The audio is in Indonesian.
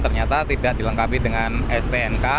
ternyata tidak dilengkapi dengan stnk